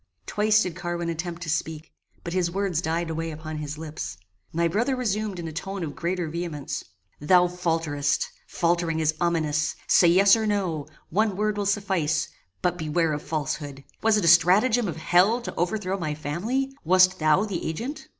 Twice did Carwin attempt to speak, but his words died away upon his lips. My brother resumed in a tone of greater vehemence "Thou falterest; faltering is ominous; say yes or no: one word will suffice; but beware of falsehood. Was it a stratagem of hell to overthrow my family? Wast thou the agent?"